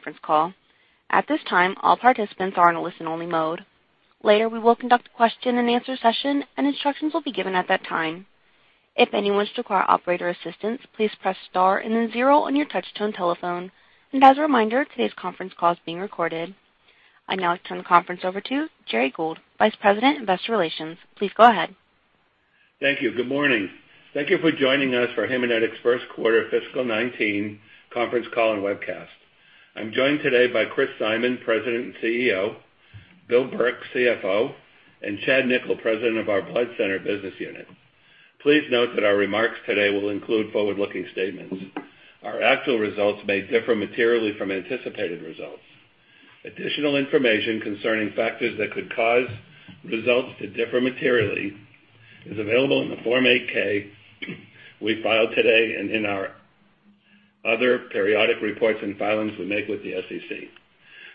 Conference call. At this time, all participants are in a listen-only mode. Later, we will conduct a question and answer session, and instructions will be given at that time. If anyone should require operator assistance, please press star and then zero on your touch-tone telephone. As a reminder, today's conference call is being recorded. I'd now like to turn the conference over to Gerry Gould, Vice President, Investor Relations. Please go ahead. Thank you. Good morning. Thank you for joining us for Haemonetics' first quarter fiscal 2019 conference call and webcast. I'm joined today by Chris Simon, President and CEO, Bill Burke, CFO, and Chad Nichol, President of our Blood Center Business unit. Please note that our remarks today will include forward-looking statements. Our actual results may differ materially from anticipated results. Additional information concerning factors that could cause results to differ materially is available in the Form 8-K we filed today and in our other periodic reports and filings we make with the SEC.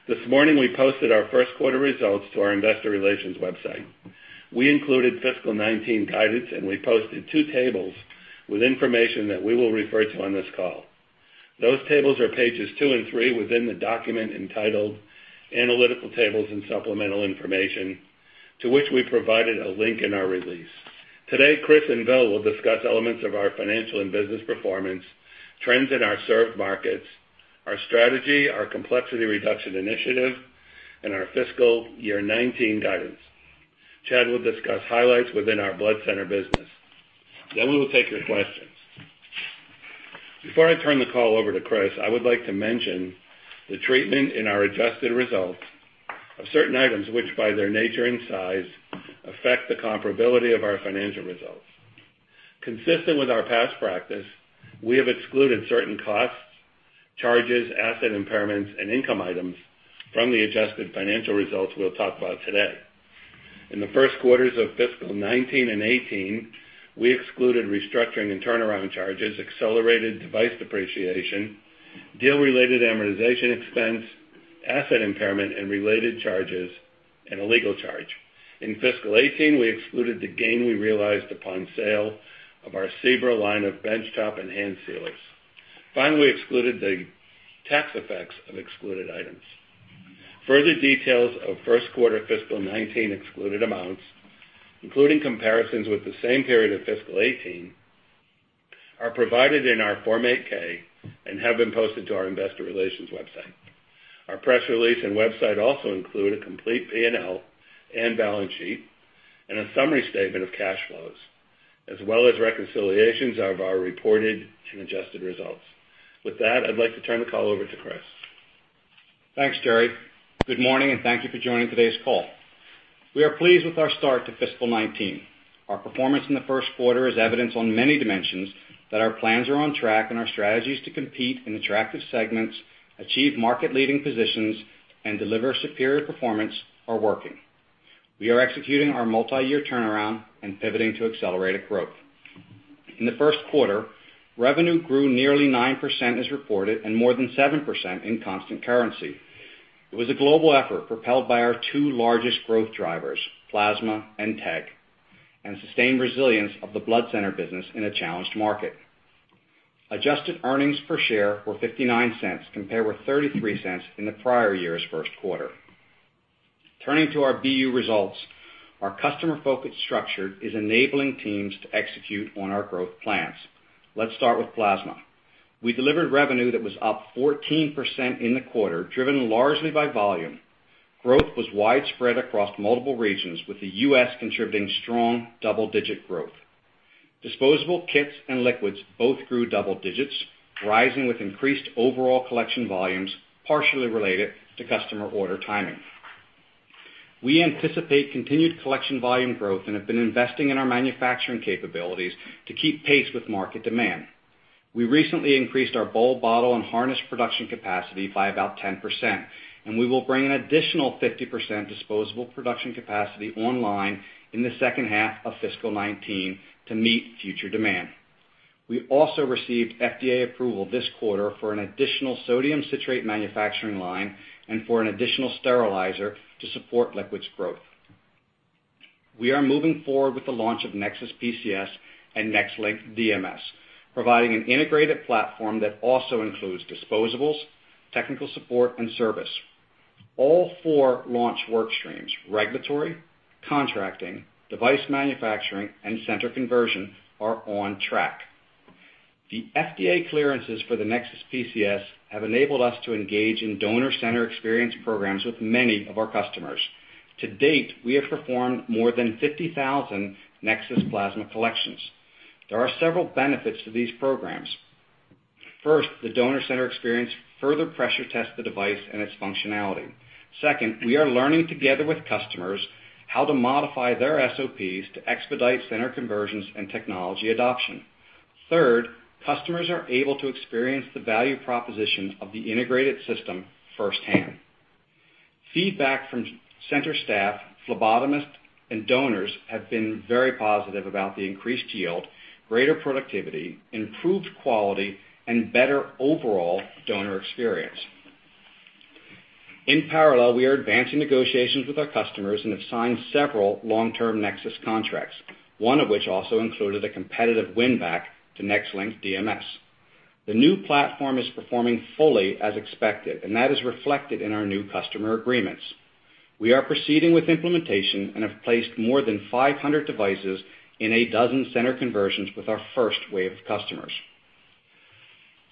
This morning, we posted our first quarter results to our investor relations website. We included fiscal 2019 guidance, and we posted two tables with information that we will refer to on this call. Those tables are pages two and three within the document entitled Analytical Tables and Supplemental Information, to which we provided a link in our release. Today, Chris and Bill will discuss elements of our financial and business performance, trends in our served markets, our strategy, our complexity reduction initiative, and our fiscal year 2019 guidance. Chad will discuss highlights within our Blood Center Business. We will take your questions. Before I turn the call over to Chris, I would like to mention the treatment in our adjusted results of certain items, which by their nature and size, affect the comparability of our financial results. Consistent with our past practice, we have excluded certain costs, charges, asset impairments, and income items from the adjusted financial results we will talk about today. In the first quarters of fiscal 2019 and 2018, we excluded restructuring and turnaround charges, accelerated device depreciation, deal-related amortization expense, asset impairment and related charges, and a legal charge. In fiscal 2018, we excluded the gain we realized upon sale of our SEBRA line of benchtop and hand sealers. We excluded the tax effects of excluded items. Further details of first quarter fiscal 2019 excluded amounts, including comparisons with the same period of fiscal 2018, are provided in our Form 8-K and have been posted to our investor relations website. Our press release and website also include a complete P&L and balance sheet and a summary statement of cash flows, as well as reconciliations of our reported and adjusted results. With that, I'd like to turn the call over to Chris. Thanks, Gerry. Good morning, and thank you for joining today's call. We are pleased with our start to fiscal 2019. Our performance in the first quarter is evidence on many dimensions that our plans are on track and our strategies to compete in attractive segments, achieve market-leading positions, and deliver superior performance are working. We are executing our multi-year turnaround and pivoting to accelerated growth. In the first quarter, revenue grew nearly 9% as reported and more than 7% in constant currency. It was a global effort propelled by our two largest growth drivers, plasma and TEG, and sustained resilience of the blood center business in a challenged market. Adjusted earnings per share were $0.59, compared with $0.33 in the prior year's first quarter. Turning to our BU results, our customer-focused structure is enabling teams to execute on our growth plans. Let's start with plasma. We delivered revenue that was up 14% in the quarter, driven largely by volume. Growth was widespread across multiple regions, with the U.S. contributing strong double-digit growth. Disposable kits and liquids both grew double digits, rising with increased overall collection volumes, partially related to customer order timing. We anticipate continued collection volume growth and have been investing in our manufacturing capabilities to keep pace with market demand. We recently increased our bowl bottle and harness production capacity by about 10%, and we will bring an additional 50% disposable production capacity online in the second half of fiscal 2019 to meet future demand. We also received FDA approval this quarter for an additional sodium citrate manufacturing line and for an additional sterilizer to support liquids growth. We are moving forward with the launch of NexSys PCS and NexLynk DMS, providing an integrated platform that also includes disposables, technical support, and service. All four launch work streams, regulatory, contracting, device manufacturing, and center conversion, are on track. The FDA clearances for the NexSys PCS have enabled us to engage in donor center experience programs with many of our customers. To date, we have performed more than 50,000 NexSys plasma collections. There are several benefits to these programs. First, the donor center experience further pressure tests the device and its functionality. Second, we are learning together with customers how to modify their SOPs to expedite center conversions and technology adoption. Third, customers are able to experience the value proposition of the integrated system firsthand. Feedback from center staff, phlebotomists, and donors have been very positive about the increased yield, greater productivity, improved quality, and better overall donor experience. In parallel, we are advancing negotiations with our customers and have signed several long-term NexSys contracts, one of which also included a competitive win-back to NexLynk DMS. The new platform is performing fully as expected, and that is reflected in our new customer agreements. We are proceeding with implementation and have placed more than 500 devices in a dozen center conversions with our first wave of customers.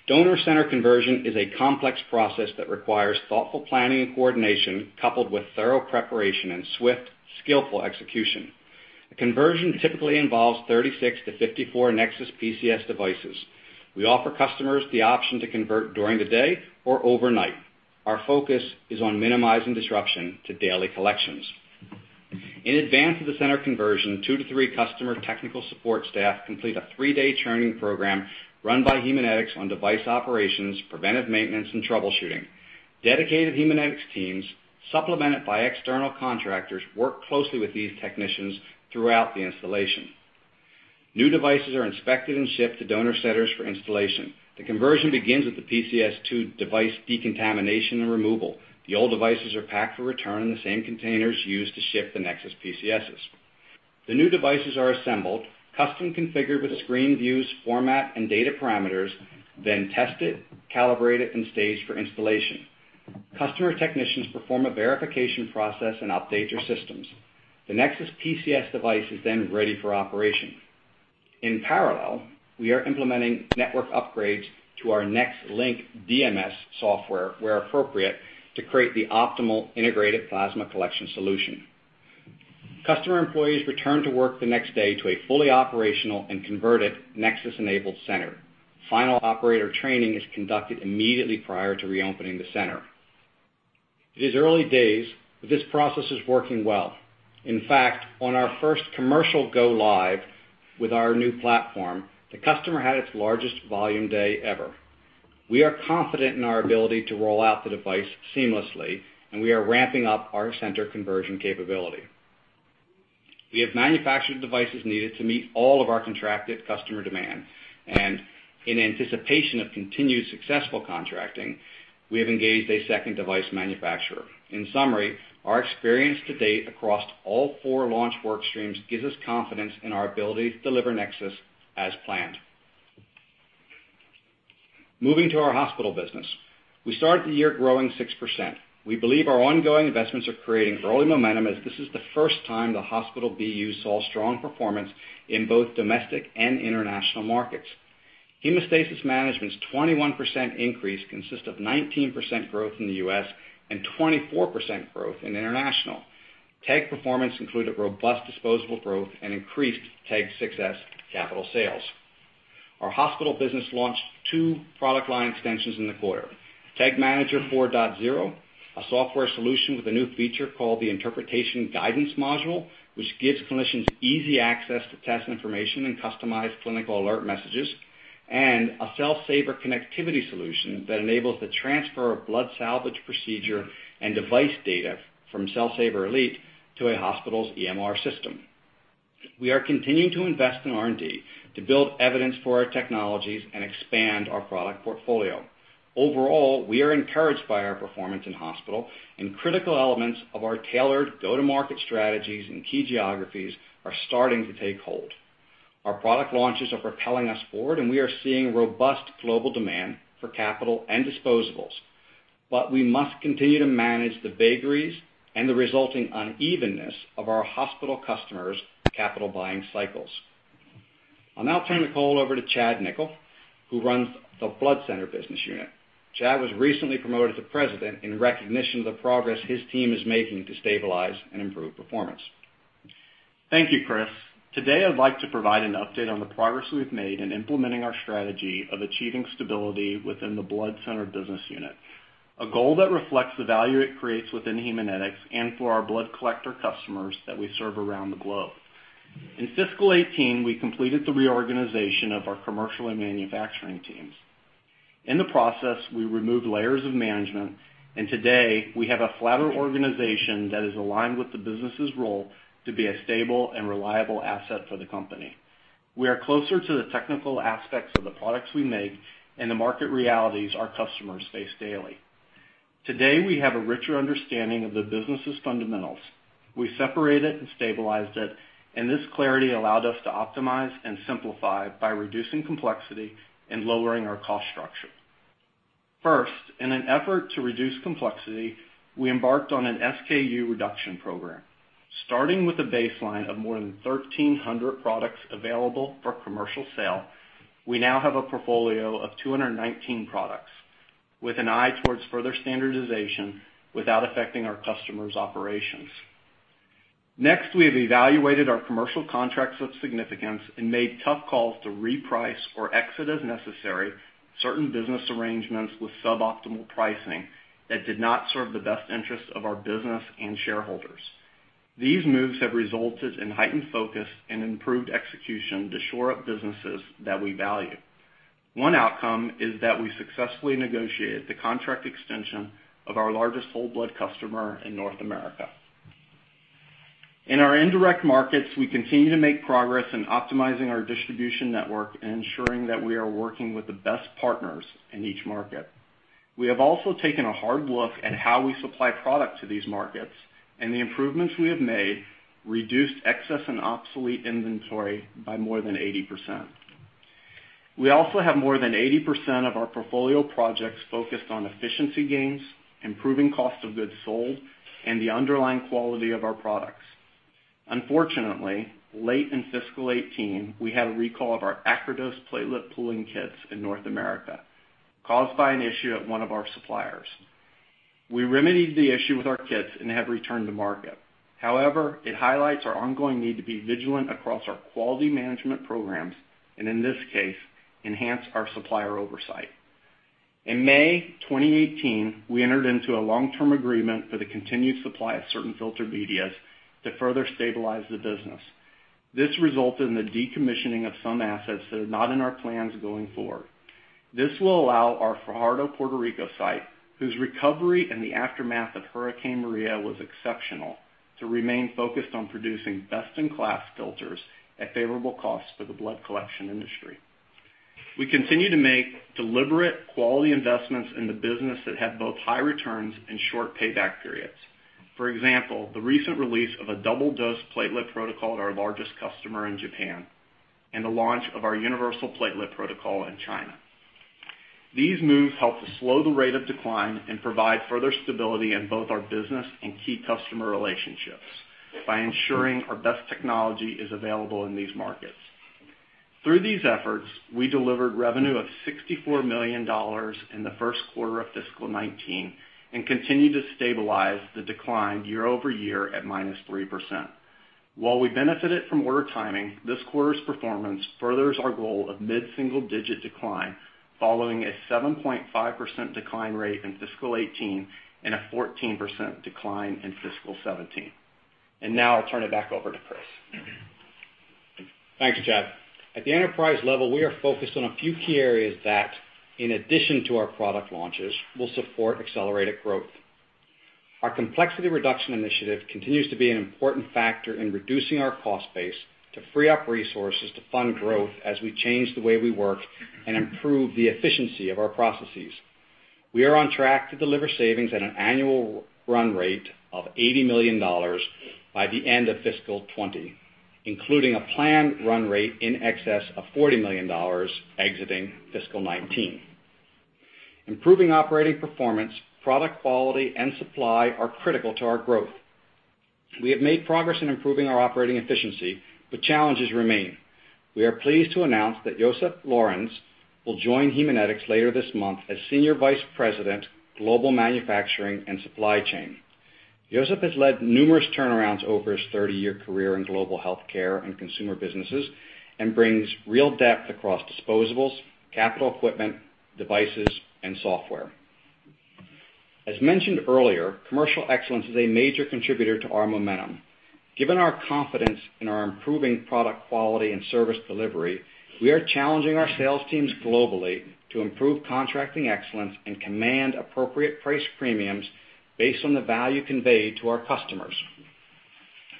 Donor center conversion is a complex process that requires thoughtful planning and coordination, coupled with thorough preparation and swift, skillful execution. A conversion typically involves 36 to 54 NexSys PCS devices. We offer customers the option to convert during the day or overnight. Our focus is on minimizing disruption to daily collections. In advance of the center conversion, two to three customer technical support staff complete a three-day training program run by Haemonetics on device operations, preventive maintenance, and troubleshooting. Dedicated Haemonetics teams, supplemented by external contractors, work closely with these technicians throughout the installation. New devices are inspected and shipped to donor centers for installation. The conversion begins with the PCS2 device decontamination and removal. The old devices are packed for return in the same containers used to ship the NexSys PCSs. The new devices are assembled, custom configured with screen views, format, and data parameters, then tested, calibrated, and staged for installation. Customer technicians perform a verification process and update their systems. The NexSys PCS device is then ready for operation. In parallel, we are implementing network upgrades to our NexLynk DMS software where appropriate to create the optimal integrated plasma collection solution. Customer employees return to work the next day to a fully operational and converted NexSys-enabled center. Final operator training is conducted immediately prior to reopening the center. It is early days, but this process is working well. In fact, on our first commercial go-live with our new platform, the customer had its largest volume day ever. We are confident in our ability to roll out the device seamlessly, and we are ramping up our center conversion capability. We have manufactured devices needed to meet all of our contracted customer demand. In anticipation of continued successful contracting, we have engaged a second device manufacturer. In summary, our experience to date across all 4 launch work streams gives us confidence in our ability to deliver NexSys as planned. Moving to our hospital business. We started the year growing 6%. We believe our ongoing investments are creating early momentum as this is the first time the hospital BU saw strong performance in both domestic and international markets. Hemostasis Management's 21% increase consists of 19% growth in the U.S. and 24% growth in international. TEG performance included robust disposable growth and increased TEG 6s capital sales. Our hospital business launched two product line extensions in the quarter. TEG Manager 4.0, a software solution with a new feature called the Interpretation Guidance Module, which gives clinicians easy access to test information and customized clinical alert messages, and a Cell Saver connectivity solution that enables the transfer of blood salvage procedure and device data from Cell Saver Elite to a hospital's EMR system. We are continuing to invest in R&D to build evidence for our technologies and expand our product portfolio. Overall, we are encouraged by our performance in hospital and critical elements of our tailored go-to-market strategies in key geographies are starting to take hold. Our product launches are propelling us forward, and we are seeing robust global demand for capital and disposables. We must continue to manage the vagaries and the resulting unevenness of our hospital customers' capital buying cycles. I'll now turn the call over to Chad Nichol, who runs the Blood Center Business unit. Chad was recently promoted to President in recognition of the progress his team is making to stabilize and improve performance. Thank you, Chris. Today, I'd like to provide an update on the progress we've made in implementing our strategy of achieving stability within the Blood Center Business unit, a goal that reflects the value it creates within Haemonetics and for our blood collector customers that we serve around the globe. In fiscal 2018, we completed the reorganization of our commercial and manufacturing teams. In the process, we removed layers of management. Today, we have a flatter organization that is aligned with the business's role to be a stable and reliable asset for the company. We are closer to the technical aspects of the products we make and the market realities our customers face daily. Today, we have a richer understanding of the business's fundamentals. We separated and stabilized it. This clarity allowed us to optimize and simplify by reducing complexity and lowering our cost structure. First, in an effort to reduce complexity, we embarked on an SKU reduction program. Starting with a baseline of more than 1,300 products available for commercial sale, we now have a portfolio of 219 products with an eye towards further standardization without affecting our customers' operations. Next, we have evaluated our commercial contracts of significance and made tough calls to reprice or exit as necessary certain business arrangements with suboptimal pricing that did not serve the best interests of our business and shareholders. These moves have resulted in heightened focus and improved execution to shore up businesses that we value. One outcome is that we successfully negotiated the contract extension of our largest whole blood customer in North America. In our indirect markets, we continue to make progress in optimizing our distribution network and ensuring that we are working with the best partners in each market. We have also taken a hard look at how we supply product to these markets. The improvements we have made reduced excess and obsolete inventory by more than 80%. We also have more than 80% of our portfolio projects focused on efficiency gains, improving cost of goods sold, and the underlying quality of our products. Unfortunately, late in fiscal 2018, we had a recall of our Acrodose platelet pooling kits in North America, caused by an issue at one of our suppliers. We remedied the issue with our kits and have returned to market. However, it highlights our ongoing need to be vigilant across our quality management programs. In this case, enhance our supplier oversight. In May 2018, we entered into a long-term agreement for the continued supply of certain filter medias to further stabilize the business. This resulted in the decommissioning of some assets that are not in our plans going forward. This will allow our Fajardo, Puerto Rico site, whose recovery in the aftermath of Hurricane Maria was exceptional, to remain focused on producing best-in-class filters at favorable costs for the blood collection industry. We continue to make deliberate quality investments in the business that have both high returns and short payback periods. For example, the recent release of a double-dose platelet protocol at our largest customer in Japan. The launch of our universal platelet protocol in China. These moves help to slow the rate of decline and provide further stability in both our business and key customer relationships by ensuring our best technology is available in these markets. Through these efforts, we delivered revenue of $64 million in the first quarter of fiscal 2019 and continued to stabilize the decline year-over-year at -3%. While we benefited from order timing, this quarter's performance furthers our goal of mid-single-digit decline, following a 7.5% decline rate in fiscal 2018 and a 14% decline in fiscal 2017. Now I'll turn it back over to Chris. Thanks, Chad. At the enterprise level, we are focused on a few key areas that, in addition to our product launches, will support accelerated growth. Our complexity reduction initiative continues to be an important factor in reducing our cost base to free up resources to fund growth as we change the way we work and improve the efficiency of our processes. We are on track to deliver savings at an annual run rate of $80 million by the end of fiscal 2020, including a planned run rate in excess of $40 million exiting fiscal 2019. Improving operating performance, product quality, and supply are critical to our growth. We have made progress in improving our operating efficiency, but challenges remain. We are pleased to announce that Josep Llorens will join Haemonetics later this month as Senior Vice President, Global Manufacturing and Supply Chain. Josep has led numerous turnarounds over his 30-year career in global healthcare and consumer businesses and brings real depth across disposables, capital equipment, devices, and software. As mentioned earlier, commercial excellence is a major contributor to our momentum. Given our confidence in our improving product quality and service delivery, we are challenging our sales teams globally to improve contracting excellence and command appropriate price premiums based on the value conveyed to our customers.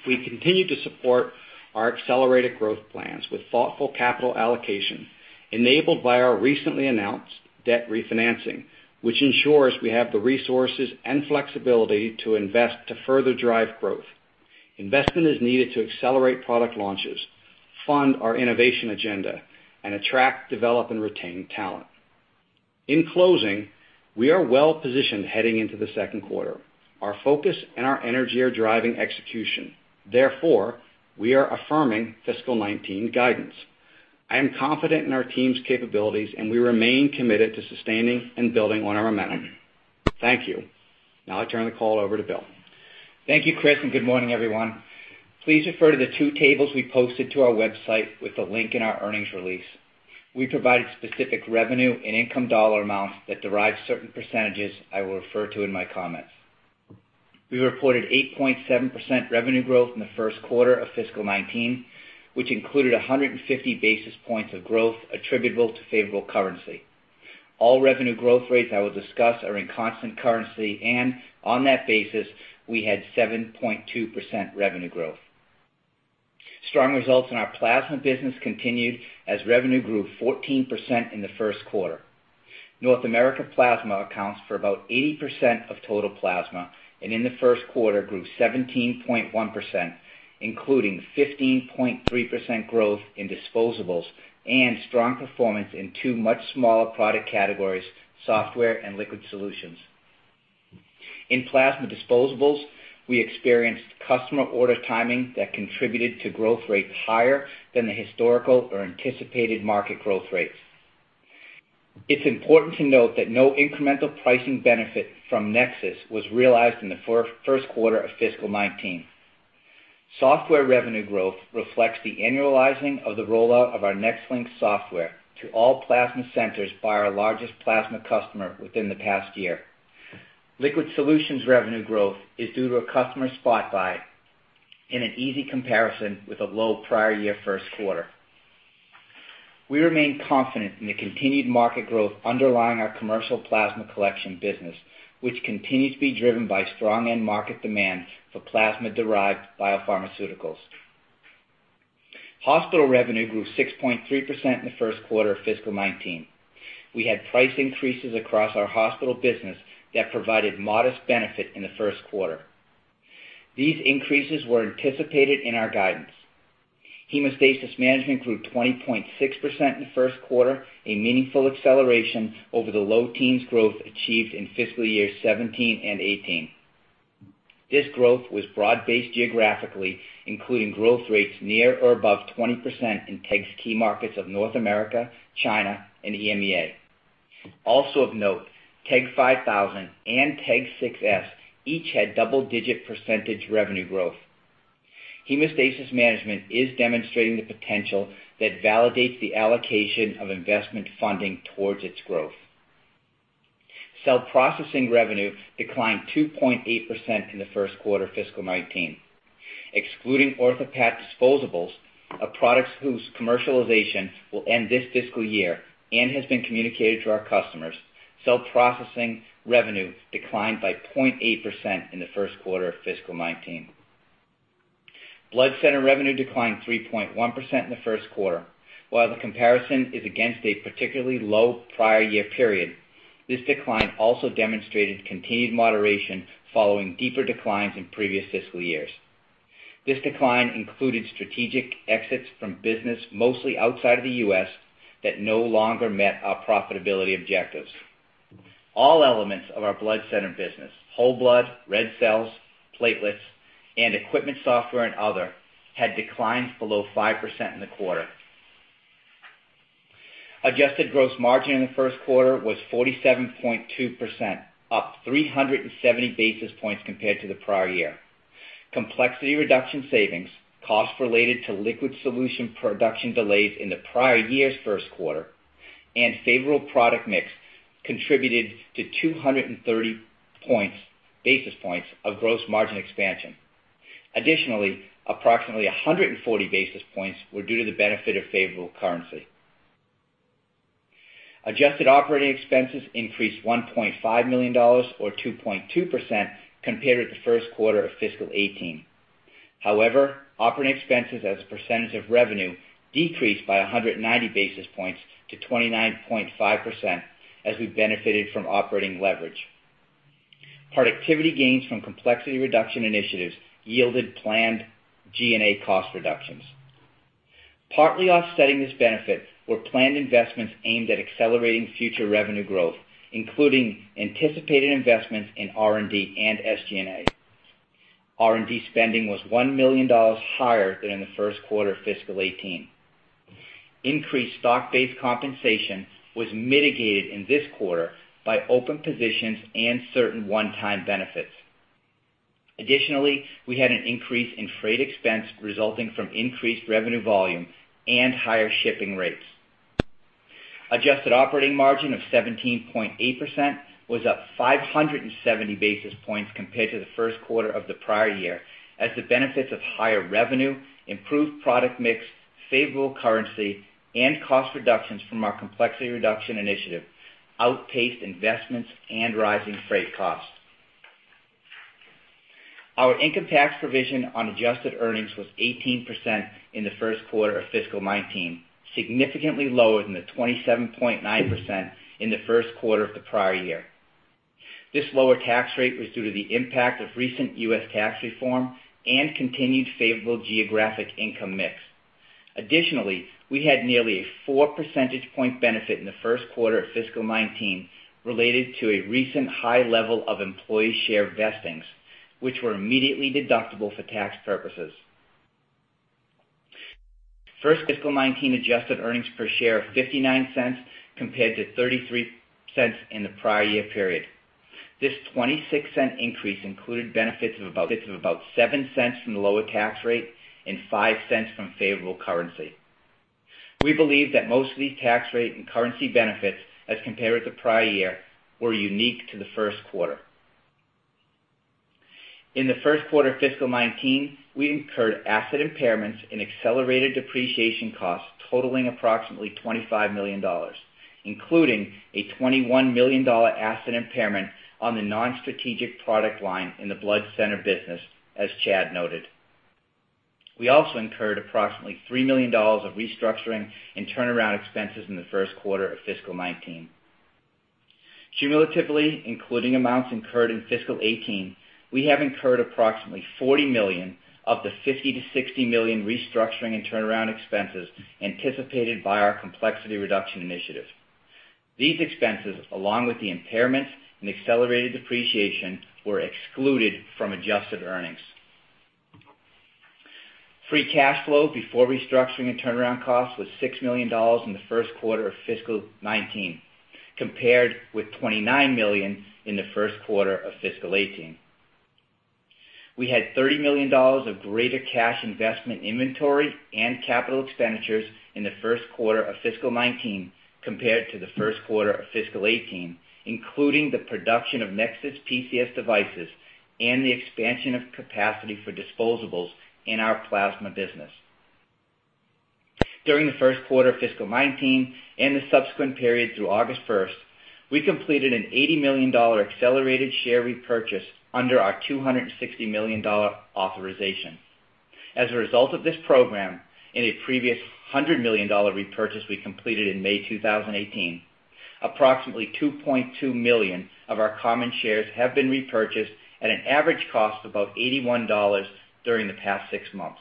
We continue to support our accelerated growth plans with thoughtful capital allocation enabled by our recently announced debt refinancing, which ensures we have the resources and flexibility to invest to further drive growth. Investment is needed to accelerate product launches, fund our innovation agenda, and attract, develop, and retain talent. In closing, we are well-positioned heading into the second quarter. Our focus and our energy are driving execution. We are affirming fiscal 2019 guidance. I am confident in our team's capabilities, and we remain committed to sustaining and building on our momentum. Thank you. Now I turn the call over to Bill. Thank you, Chris, and good morning, everyone. Please refer to the two tables we posted to our website with the link in our earnings release. We provided specific revenue and income dollar amounts that derive certain percentages I will refer to in my comments. We reported 8.7% revenue growth in the first quarter of fiscal 2019, which included 150 basis points of growth attributable to favorable currency. All revenue growth rates I will discuss are in constant currency, and on that basis, we had 7.2% revenue growth. Strong results in our plasma business continued as revenue grew 14% in the first quarter. North America Plasma accounts for about 80% of total plasma, and in the first quarter grew 17.1%, including 15.3% growth in disposables and strong performance in two much smaller product categories, software and liquid solutions. In plasma disposables, we experienced customer order timing that contributed to growth rates higher than the historical or anticipated market growth rates. It's important to note that no incremental pricing benefit from NexSys was realized in the first quarter of fiscal 2019. Software revenue growth reflects the annualizing of the rollout of our NexLynk software to all plasma centers by our largest plasma customer within the past year. Liquid solutions revenue growth is due to a customer spot buy in an easy comparison with a low prior year first quarter. We remain confident in the continued market growth underlying our commercial plasma collection business, which continues to be driven by strong end market demand for plasma-derived biopharmaceuticals. Hospital revenue grew 6.3% in the first quarter of fiscal 2019. We had price increases across our hospital business that provided modest benefit in the first quarter. These increases were anticipated in our guidance. Hemostasis management grew 20.6% in the first quarter, a meaningful acceleration over the low teens growth achieved in fiscal year 2017 and 2018. This growth was broad-based geographically, including growth rates near or above 20% in TEG's key markets of North America, China, and EMEA. Also of note, TEG 5000 and TEG 6s each had double-digit percentage revenue growth. Hemostasis management is demonstrating the potential that validates the allocation of investment funding towards its growth. Cell processing revenue declined 2.8% in the first quarter of fiscal 2019. Excluding OrthoPAT disposables, a product whose commercialization will end this fiscal year and has been communicated to our customers, cell processing revenue declined by 0.8% in the first quarter of fiscal 2019. Blood center revenue declined 3.1% in the first quarter. While the comparison is against a particularly low prior year period, this decline also demonstrated continued moderation following deeper declines in previous fiscal years. This decline included strategic exits from business, mostly outside of the U.S., that no longer met our profitability objectives. All elements of our blood center business, whole blood, red cells, platelets, and equipment, software, and other, had declines below 5% in the quarter. Adjusted gross margin in the first quarter was 47.2%, up 370 basis points compared to the prior year. Complexity reduction savings, costs related to liquid solution production delays in the prior year's first quarter, and favorable product mix contributed to 230 basis points of gross margin expansion. Additionally, approximately 140 basis points were due to the benefit of favorable currency. Adjusted operating expenses increased $1.5 million, or 2.2%, compared to the first quarter of fiscal 2018. Operating expenses as a percentage of revenue decreased by 190 basis points to 29.5% as we benefited from operating leverage. Productivity gains from complexity reduction initiatives yielded planned G&A cost reductions. Partly offsetting this benefit were planned investments aimed at accelerating future revenue growth, including anticipated investments in R&D and SG&A. R&D spending was $1 million higher than in the first quarter of fiscal 2018. Increased stock-based compensation was mitigated in this quarter by open positions and certain one-time benefits. Additionally, we had an increase in freight expense resulting from increased revenue volume and higher shipping rates. Adjusted operating margin of 17.8% was up 570 basis points compared to the first quarter of the prior year as the benefits of higher revenue, improved product mix, favorable currency, and cost reductions from our complexity reduction initiative outpaced investments and rising freight costs. Our income tax provision on adjusted earnings was 18% in the first quarter of fiscal 2019, significantly lower than the 27.9% in the first quarter of the prior year. This lower tax rate was due to the impact of recent U.S. tax reform and continued favorable geographic income mix. Additionally, we had nearly a four percentage point benefit in the first quarter of fiscal 2019 related to a recent high level of employee share vestings, which were immediately deductible for tax purposes. First fiscal 2019 adjusted earnings per share of $0.59 compared to $0.33 in the prior year period. This $0.26 increase included benefits of about $0.07 from the lower tax rate and $0.05 from favorable currency. We believe that most of these tax rate and currency benefits as compared to prior year were unique to the first quarter. In the first quarter of fiscal 2019, we incurred asset impairments and accelerated depreciation costs totaling approximately $25 million, including a $21 million asset impairment on the non-strategic product line in the blood center business, as Chad noted. We also incurred approximately $3 million of restructuring and turnaround expenses in the first quarter of fiscal 2019. Cumulatively, including amounts incurred in fiscal 2018, we have incurred approximately $40 million of the $50 million-$60 million restructuring and turnaround expenses anticipated by our complexity reduction initiative. These expenses, along with the impairments and accelerated depreciation, were excluded from adjusted earnings. Free cash flow before restructuring and turnaround costs was $6 million in the first quarter of fiscal 2019, compared with $29 million in the first quarter of fiscal 2018. We had $30 million of greater cash investment inventory and capital expenditures in the first quarter of fiscal 2019 compared to the first quarter of fiscal 2018, including the production of NexSys PCS devices and the expansion of capacity for disposables in our plasma business. During the first quarter of fiscal 2019 and the subsequent period through August 1st, we completed an $80 million accelerated share repurchase under our $260 million authorization. As a result of this program, in a previous $100 million repurchase we completed in May 2018, approximately 2.2 million of our common shares have been repurchased at an average cost of about $81 during the past six months.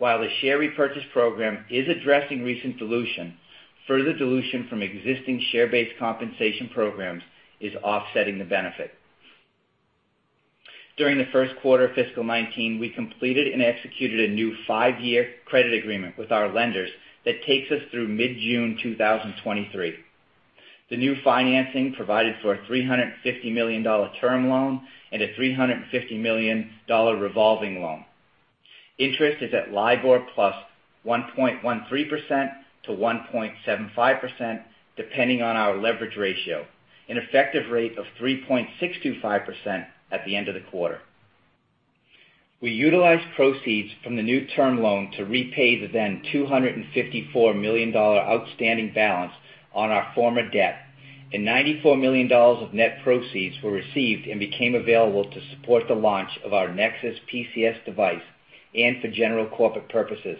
The share repurchase program is addressing recent dilution, further dilution from existing share-based compensation programs is offsetting the benefit. During the first quarter of fiscal 2019, we completed and executed a new five-year credit agreement with our lenders that takes us through mid-June 2023. The new financing provided for a $350 million term loan and a $350 million revolving loan. Interest is at LIBOR plus 1.13%-1.75%, depending on our leverage ratio, an effective rate of 3.625% at the end of the quarter. We utilized proceeds from the new term loan to repay the then $254 million outstanding balance on our former debt, and $94 million of net proceeds were received and became available to support the launch of our NexSys PCS device and for general corporate purposes.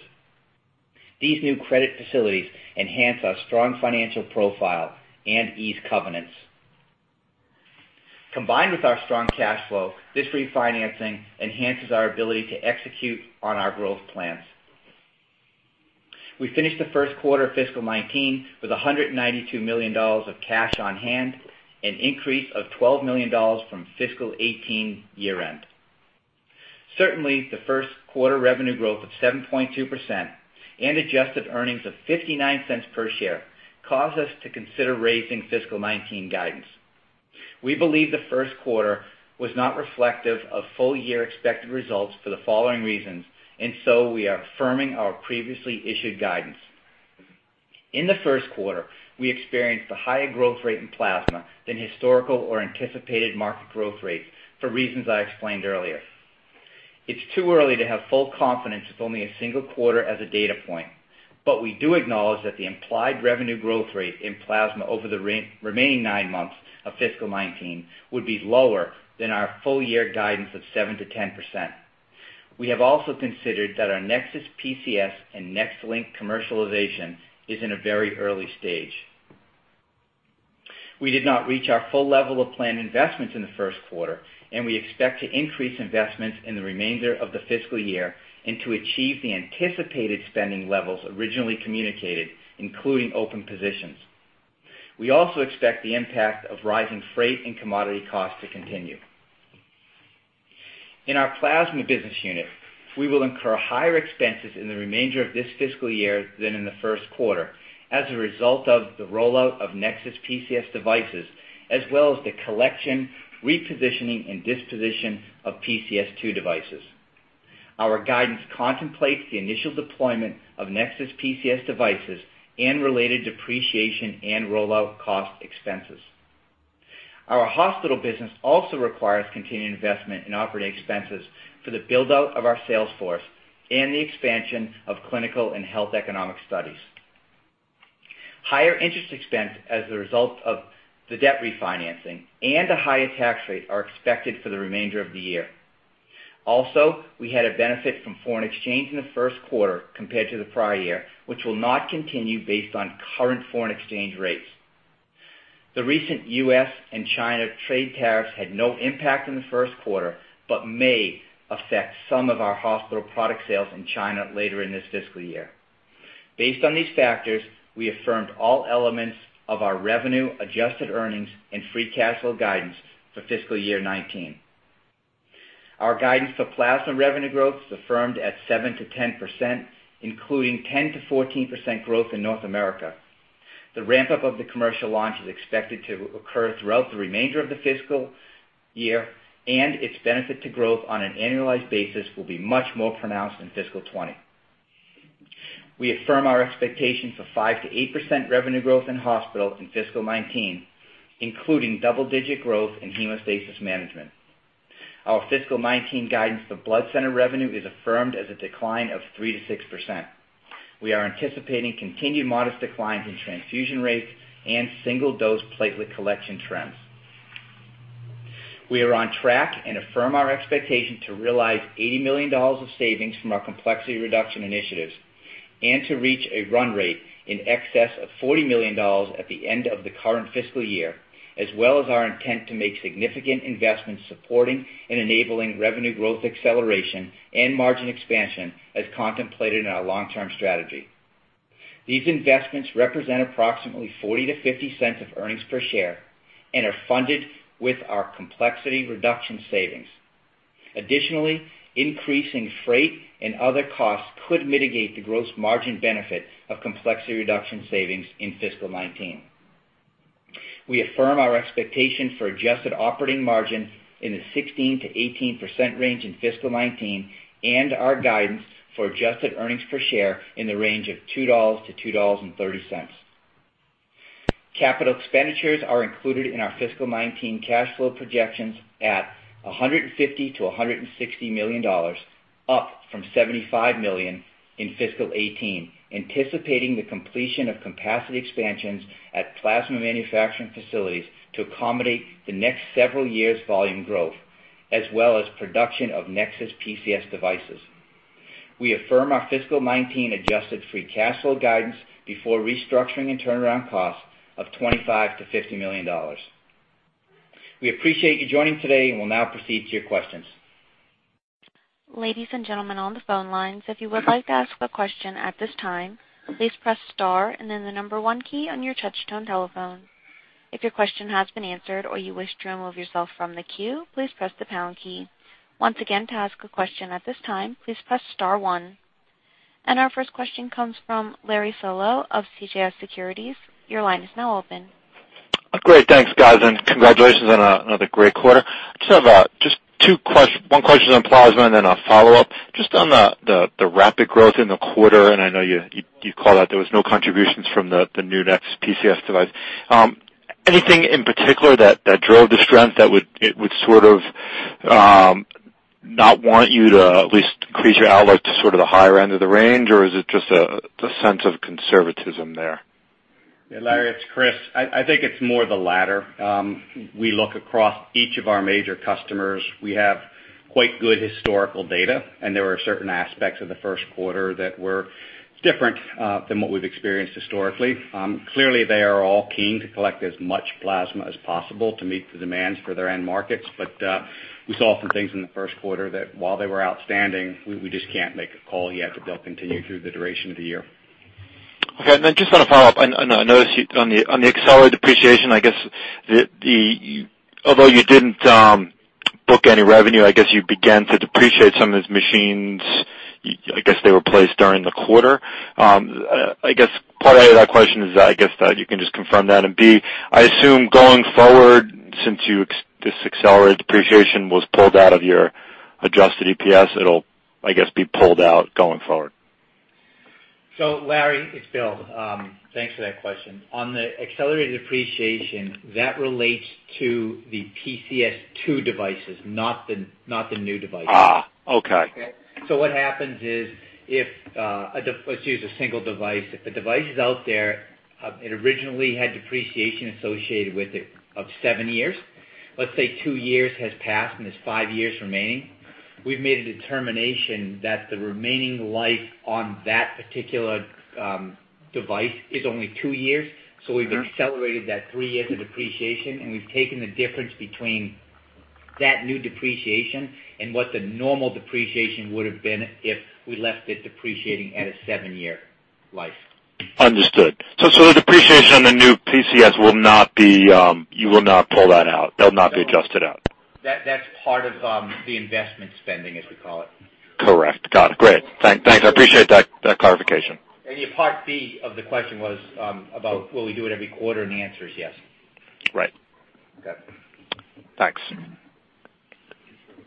These new credit facilities enhance our strong financial profile and ease covenants. Combined with our strong cash flow, this refinancing enhances our ability to execute on our growth plans. We finished the first quarter of fiscal 2019 with $192 million of cash on hand, an increase of $12 million from fiscal 2018 year-end. Certainly, the first quarter revenue growth of 7.2% and adjusted earnings of $0.59 per share caused us to consider raising fiscal 2019 guidance. We believe the first quarter was not reflective of full-year expected results for the following reasons. We are affirming our previously issued guidance. In the first quarter, we experienced a higher growth rate in plasma than historical or anticipated market growth rates for reasons I explained earlier. It's too early to have full confidence with only a single quarter as a data point, but we do acknowledge that the implied revenue growth rate in plasma over the remaining nine months of fiscal 2019 would be lower than our full-year guidance of 7%-10%. We have also considered that our NexSys PCS and NexLynk commercialization is in a very early stage. We did not reach our full level of planned investments in the first quarter. We expect to increase investments in the remainder of the fiscal year and to achieve the anticipated spending levels originally communicated, including open positions. We also expect the impact of rising freight and commodity costs to continue. In our plasma business unit, we will incur higher expenses in the remainder of this fiscal year than in the first quarter as a result of the rollout of NexSys PCS devices as well as the collection, repositioning, and disposition of PCS2 devices. Our guidance contemplates the initial deployment of NexSys PCS devices and related depreciation and rollout cost expenses. Our hospital business also requires continued investment in operating expenses for the build-out of our sales force and the expansion of clinical and health economic studies. Higher interest expense as a result of the debt refinancing and a higher tax rate are expected for the remainder of the year. We had a benefit from foreign exchange in the first quarter compared to the prior year, which will not continue based on current foreign exchange rates. The recent U.S. and China trade tariffs had no impact in the first quarter but may affect some of our hospital product sales in China later in this fiscal year. Based on these factors, we affirmed all elements of our revenue, adjusted earnings, and free cash flow guidance for fiscal year 2019. Our guidance for plasma revenue growth is affirmed at 7%-10%, including 10%-14% growth in North America. The ramp-up of the commercial launch is expected to occur throughout the remainder of the fiscal year, and its benefit to growth on an annualized basis will be much more pronounced in fiscal 2020. We affirm our expectation for 5%-8% revenue growth in hospitals in fiscal 2019, including double-digit growth in hemostasis management. Our fiscal 2019 guidance for blood center revenue is affirmed as a decline of 3%-6%. We are anticipating continued modest declines in transfusion rates and single-dose platelet collection trends. We are on track and affirm our expectation to realize $80 million of savings from our complexity reduction initiatives and to reach a run rate in excess of $40 million at the end of the current fiscal year, as well as our intent to make significant investments supporting and enabling revenue growth acceleration and margin expansion as contemplated in our long-term strategy. These investments represent approximately $0.40-$0.50 of earnings per share and are funded with our complexity reduction savings. Additionally, increasing freight and other costs could mitigate the gross margin benefit of complexity reduction savings in fiscal 2019. We affirm our expectation for adjusted operating margin in the 16%-18% range in fiscal 2019 and our guidance for adjusted earnings per share in the range of $2.00-$2.30. Capital expenditures are included in our fiscal 2019 cash flow projections at $150 million-$160 million, up from $75 million in fiscal 2018, anticipating the completion of capacity expansions at plasma manufacturing facilities to accommodate the next several years' volume growth, as well as production of NexSys PCS devices. We affirm our fiscal 2019 adjusted free cash flow guidance before restructuring and turnaround costs of $25 million-$50 million. We appreciate you joining today and will now proceed to your questions. Ladies and gentlemen on the phone lines, if you would like to ask a question at this time, please press star and then the 1 key on your touch-tone telephone. If your question has been answered or you wish to remove yourself from the queue, please press the pound key. Once again, to ask a question at this time, please press star 1. Our first question comes from Larry Solow of CJS Securities. Your line is now open. Great. Thanks, guys, and congratulations on another great quarter. I just have one question on plasma and then a follow-up. Just on the rapid growth in the quarter, and I know you called out there was no contributions from the new NexSys PCS device. Anything in particular that drove the strength that would sort of not want you to at least increase your outlook to sort of the higher end of the range, or is it just a sense of conservatism there? Yeah, Larry, it's Chris. I think it's more the latter. We look across each of our major customers. We have quite good historical data, and there are certain aspects of the first quarter that were different than what we've experienced historically. Clearly, they are all keen to collect as much plasma as possible to meet the demands for their end markets. We saw some things in the first quarter that while they were outstanding, we just can't make a call yet that they'll continue through the duration of the year. Okay. Then just on a follow-up, I noticed on the accelerated depreciation, I guess, although you didn't book any revenue, I guess you began to depreciate some of these machines. I guess they were placed during the quarter. I guess part A of that question is that I guess that you can just confirm that, and B, I assume going forward, since this accelerated depreciation was pulled out of your adjusted EPS, it'll, I guess, be pulled out going forward. Larry, it's Bill. Thanks for that question. On the accelerated depreciation, that relates to the PCS2 devices, not the new devices. okay. What happens is if, let's use a single device. If the device is out there, it originally had depreciation associated with it of seven years. Let's say two years has passed and there's five years remaining. We've made a determination that the remaining life on that particular device is only two years, so we've accelerated that three years of depreciation, and we've taken the difference between that new depreciation and what the normal depreciation would've been if we left it depreciating at a seven-year life. Understood. The depreciation on the new PCS, you will not pull that out. That'll not be adjusted out. That's part of the investment spending, as we call it. Correct. Got it. Great. Thanks. I appreciate that clarification. Your part B of the question was about will we do it every quarter, and the answer is yes. Right. Okay. Thanks.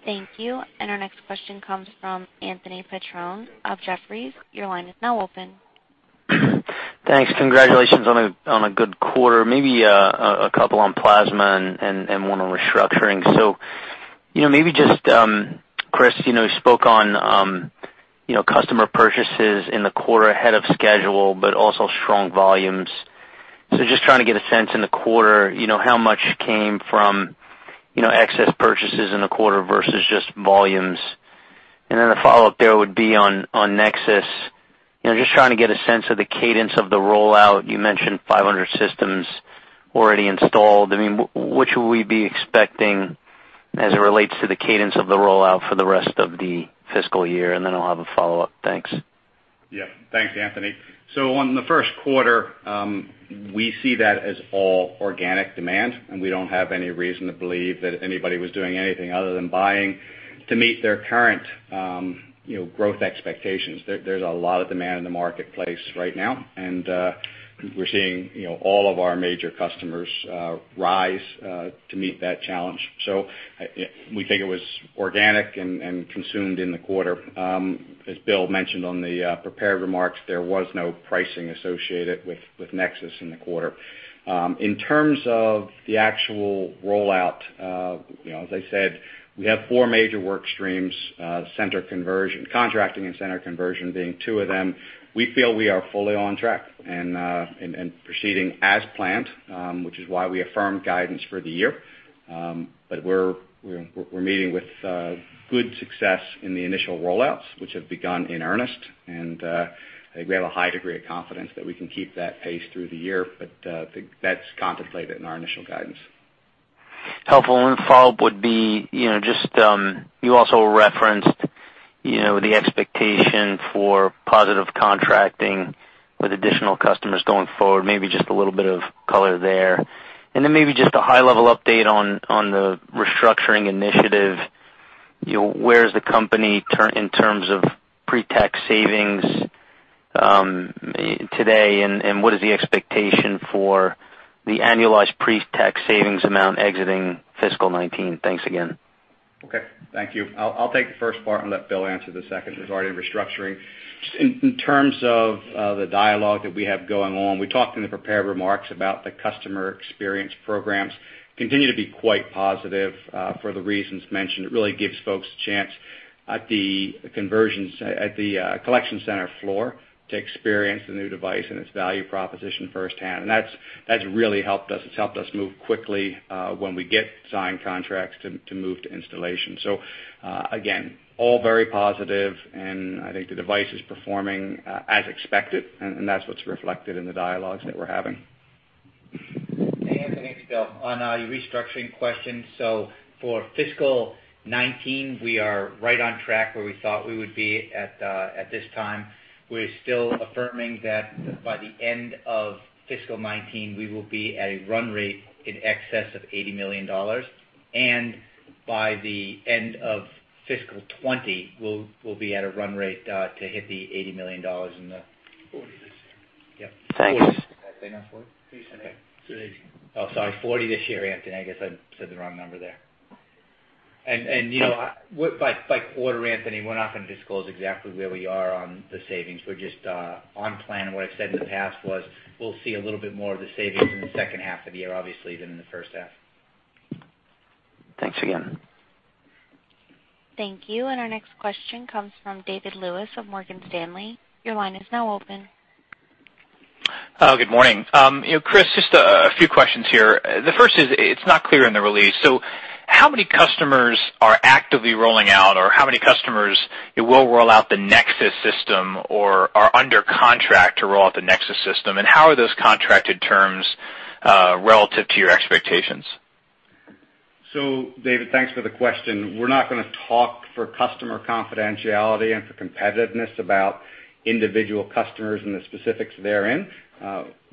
Thank you. Our next question comes from Anthony Petrone of Jefferies. Your line is now open. Thanks. Congratulations on a good quarter. Maybe a couple on plasma and one on restructuring. Maybe just, Chris, you spoke on customer purchases in the quarter ahead of schedule, but also strong volumes. Just trying to get a sense in the quarter, how much came from excess purchases in the quarter versus just volumes? The follow-up there would be on NexSys. Just trying to get a sense of the cadence of the rollout. You mentioned 500 systems already installed. What should we be expecting as it relates to the cadence of the rollout for the rest of the fiscal year? I'll have a follow-up. Thanks. Thanks, Anthony. On the first quarter, we see that as all organic demand, and we don't have any reason to believe that anybody was doing anything other than buying to meet their current growth expectations. There's a lot of demand in the marketplace right now, and we're seeing all of our major customers rise to meet that challenge. We think it was organic and consumed in the quarter. As Bill mentioned on the prepared remarks, there was no pricing associated with NexSys in the quarter. In terms of the actual rollout, as I said, we have four major work streams, contracting and center conversion being two of them. We feel we are fully on track and proceeding as planned, which is why we affirmed guidance for the year. We're meeting with good success in the initial rollouts, which have begun in earnest. We have a high degree of confidence that we can keep that pace through the year, but that's contemplated in our initial guidance. Helpful. Follow-up would be, you also referenced the expectation for positive contracting with additional customers going forward. Maybe just a little bit of color there. Maybe just a high-level update on the restructuring initiative. Where's the company in terms of pre-tax savings today, and what is the expectation for the annualized pre-tax savings amount exiting fiscal 2019? Thanks again. Thank you. I'll take the first part and let Bill answer the second regarding restructuring. In terms of the dialogue that we have going on, we talked in the prepared remarks about the customer experience programs continue to be quite positive for the reasons mentioned. It really gives folks a chance at the collection center floor to experience the new device and its value proposition firsthand, and that's really helped us. It's helped us move quickly, when we get signed contracts, to move to installation. Again, all very positive, and I think the device is performing as expected, and that's what's reflected in the dialogues that we're having. Anthony Petrone, Bill Burke, on your restructuring question, for FY 2019, we are right on track where we thought we would be at this time. We're still affirming that by the end of FY 2019, we will be at a run rate in excess of $80 million. By the end of FY 2020, we'll be at a run rate to hit the $80 million. $40 this year. Yep. Thanks. Did I say not $40? You said $80. Sorry, 40 this year, Anthony. I guess I said the wrong number there. By quarter, Anthony, we're not going to disclose exactly where we are on the savings. We're just on plan, and what I've said in the past was we'll see a little bit more of the savings in the second half of the year, obviously, than in the first half. Thanks again. Thank you. Our next question comes from David Lewis of Morgan Stanley. Your line is now open. Hello, good morning. Chris, just a few questions here. The first is, it's not clear in the release, how many customers are actively rolling out, or how many customers will roll out the NexSys system or are under contract to roll out the NexSys system? How are those contracted terms relative to your expectations? David, thanks for the question. We're not going to talk for customer confidentiality and for competitiveness about individual customers and the specifics therein.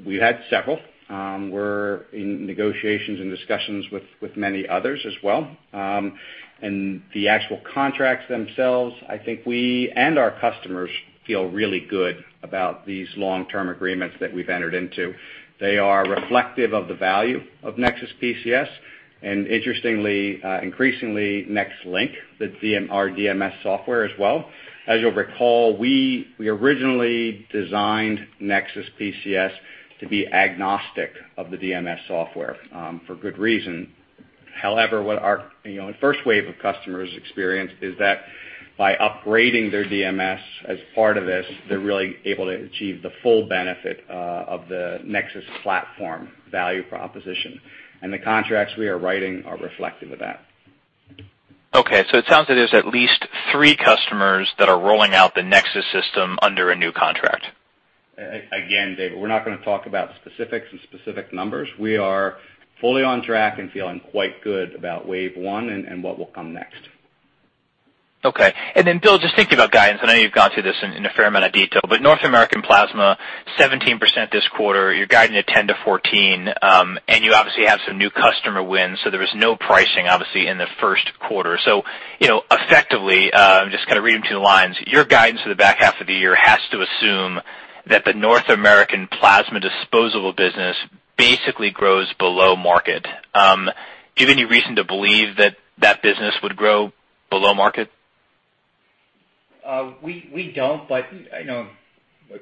We've had several. We're in negotiations and discussions with many others as well. The actual contracts themselves, I think we and our customers feel really good about these long-term agreements that we've entered into. They are reflective of the value of NexSys PCS, and interestingly, increasingly NexLynk, our DMS software as well. As you'll recall, we originally designed NexSys PCS to be agnostic of the DMS software, for good reason. However, what our first wave of customers experienced is that by upgrading their DMS as part of this, they're really able to achieve the full benefit of the NexSys platform value proposition. The contracts we are writing are reflective of that. It sounds there's at least three customers that are rolling out the NexSys system under a new contract. Again, David, we're not going to talk about specifics and specific numbers. We are fully on track and feeling quite good about wave one and what will come next. Bill, just thinking about guidance, I know you've gone through this in a fair amount of detail, but North American plasma, 17% this quarter. You're guiding at 10%-14%, you obviously have some new customer wins, there was no pricing, obviously, in the first quarter. Effectively, I'm just kind of reading between the lines, your guidance for the back half of the year has to assume that the North American plasma disposable business basically grows below market. Do you have any reason to believe that that business would grow below market? We don't, but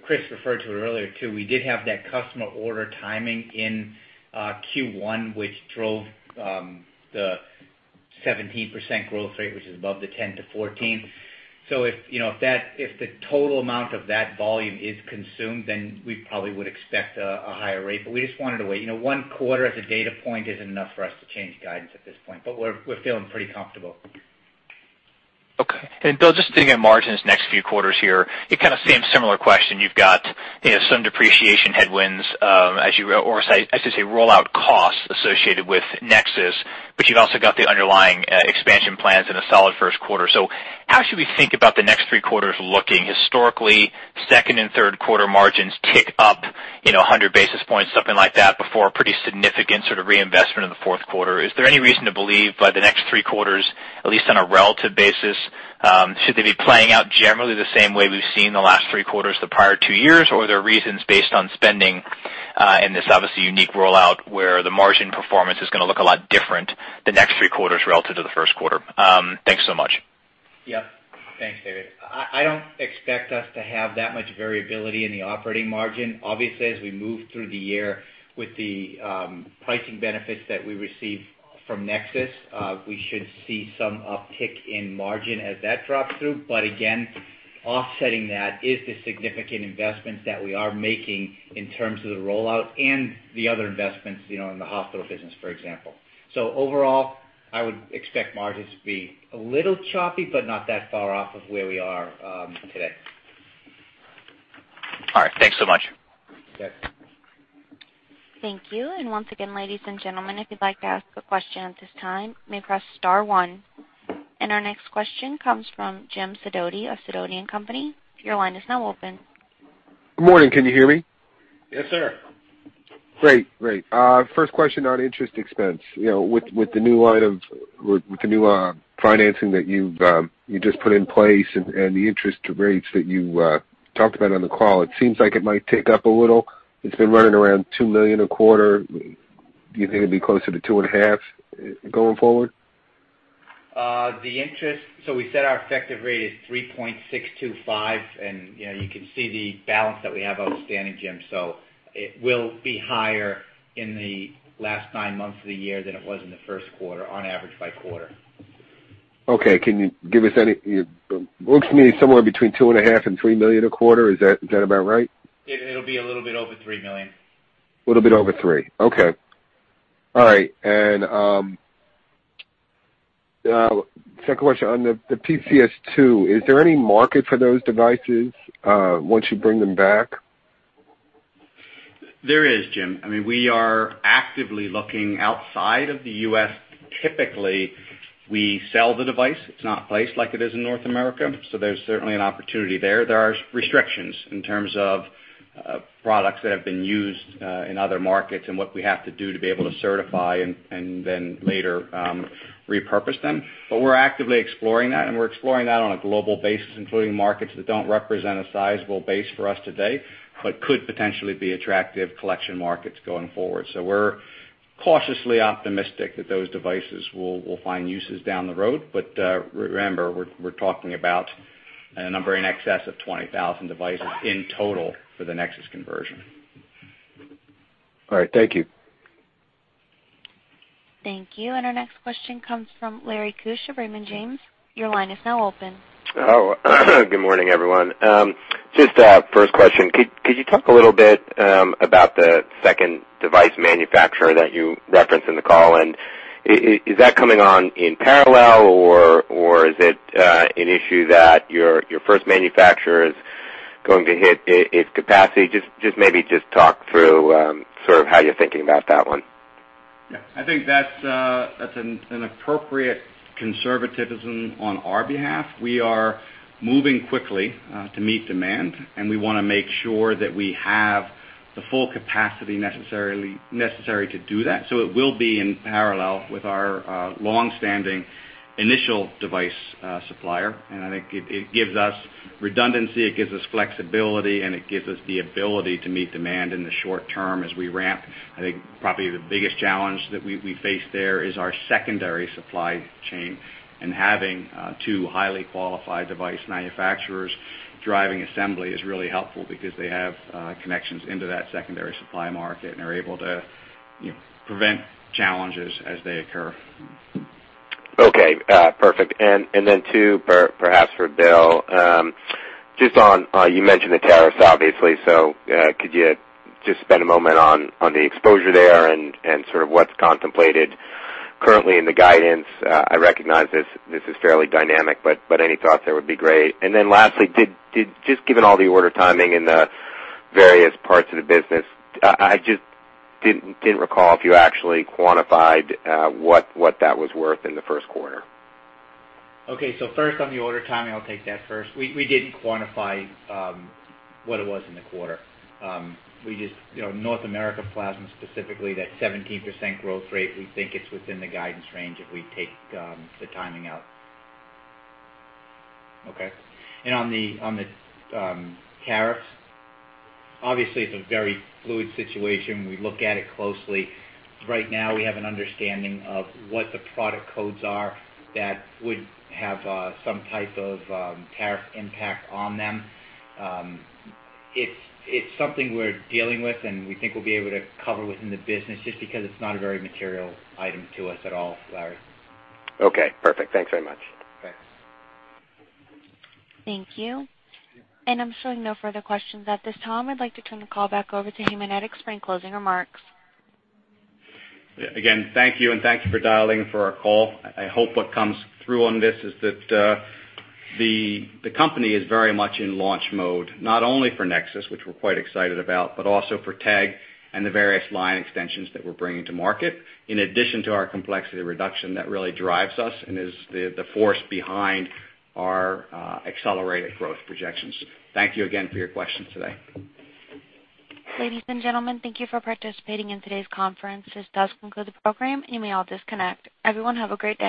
Chris referred to it earlier, too. We did have that customer order timing in Q1, which drove the 17% growth rate, which is above the 10%-14%. If the total amount of that volume is consumed, we probably would expect a higher rate. We just wanted to wait. One quarter as a data point isn't enough for us to change guidance at this point, but we're feeling pretty comfortable. Okay. Bill, just thinking of margins next few quarters here, it kind of seems similar question. You've got some depreciation headwinds as you, or I should say, rollout costs associated with NexSys, but you've also got the underlying expansion plans in a solid first quarter. How should we think about the next three quarters looking? Historically, second and third quarter margins tick up 100 basis points, something like that, before a pretty significant sort of reinvestment in the fourth quarter. Are there any reason to believe by the next three quarters, at least on a relative basis, should they be playing out generally the same way we've seen the last three quarters the prior two years? Or are there reasons based on spending in this obviously unique rollout where the margin performance is going to look a lot different the next three quarters relative to the first quarter? Thanks so much. Yep. Thanks, David. I don't expect us to have that much variability in the operating margin. Obviously, as we move through the year with the pricing benefits that we receive from NexSys, we should see some uptick in margin as that drops through. Again, offsetting that is the significant investments that we are making in terms of the rollout and the other investments, in the hospital business, for example. Overall, I would expect margins to be a little choppy but not that far off of where we are today. All right. Thanks so much. Okay. Thank you. Once again, ladies and gentlemen, if you'd like to ask a question at this time, you may press star one. Our next question comes from Jim Sidoti of Sidoti & Company. Your line is now open. Good morning. Can you hear me? Yes, sir. Great. First question on interest expense. With the new financing that you just put in place and the interest rates that you talked about on the call, it seems like it might tick up a little. It has been running around $2 million a quarter. Do you think it would be closer to two and a half going forward? The interest, we set our effective rate at 3.625, and you can see the balance that we have outstanding, Jim. It will be higher in the last nine months of the year than it was in the first quarter on average by quarter. Okay. Can you give us any? It looks to me somewhere between two and a half and $3 million a quarter. Is that about right? It will be a little bit over $3 million. A little bit over three. Okay. All right. Second question on the PCS2, is there any market for those devices once you bring them back? There is, Jim. We are actively looking outside of the U.S. Typically, we sell the device. It's not placed like it is in North America, so there's certainly an opportunity there. There are restrictions in terms of products that have been used in other markets and what we have to do to be able to certify and then later repurpose them. We're actively exploring that, and we're exploring that on a global basis, including markets that don't represent a sizable base for us today, but could potentially be attractive collection markets going forward. We're cautiously optimistic that those devices will find uses down the road. Remember, we're talking about a number in excess of 20,000 devices in total for the NexSys conversion. All right. Thank you. Thank you. Our next question comes from Lawrence Keusch, Raymond James. Your line is now open. Good morning, everyone. Just a first question. Could you talk a little bit about the second device manufacturer that you referenced in the call, and is that coming on in parallel, or is it an issue that your first manufacturer is going to hit its capacity? Just maybe just talk through sort of how you're thinking about that one. Yeah, I think that's an appropriate conservatism on our behalf. We are moving quickly to meet demand, and we want to make sure that we have the full capacity necessary to do that. It will be in parallel with our longstanding initial device supplier. I think it gives us redundancy, it gives us flexibility, and it gives us the ability to meet demand in the short term as we ramp. I think probably the biggest challenge that we face there is our secondary supply chain and having two highly qualified device manufacturers driving assembly is really helpful because they have connections into that secondary supply market and are able to prevent challenges as they occur. Okay, perfect. Two, perhaps for Bill, just on, you mentioned the tariffs, obviously. Could you just spend a moment on the exposure there and sort of what's contemplated currently in the guidance? I recognize this is fairly dynamic, but any thoughts there would be great. Lastly, just given all the order timing in the various parts of the business, I just didn't recall if you actually quantified what that was worth in the first quarter. Okay. First on the order timing, I'll take that first. We didn't quantify what it was in the quarter. North America plasma, specifically, that 17% growth rate, we think it's within the guidance range if we take the timing out. Okay? On the tariffs, obviously, it's a very fluid situation. We look at it closely. Right now, we have an understanding of what the product codes are that would have some type of tariff impact on them. It's something we're dealing with, and we think we'll be able to cover within the business just because it's not a very material item to us at all, Larry. Okay, perfect. Thanks very much. Thanks. Thank you. I'm showing no further questions at this time. I'd like to turn the call back over to Haemonetics for any closing remarks. Again, thank you, and thank you for dialing for our call. I hope what comes through on this is that the company is very much in launch mode, not only for NexSys, which we're quite excited about, but also for TEG and the various line extensions that we're bringing to market, in addition to our complexity reduction that really drives us and is the force behind our accelerated growth projections. Thank you again for your questions today. Ladies and gentlemen, thank you for participating in today's conference. This does conclude the program. You may all disconnect. Everyone, have a great day.